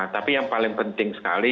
tapi yang paling penting sekali